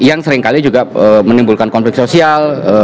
yang seringkali juga menimbulkan konflik sosial